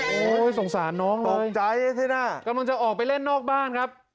โอ้ยสงสารน้องเลยกำลังจะออกไปเล่นนอกบ้านครับ